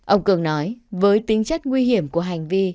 ông cường nói với tính chất nguy hiểm của hành vi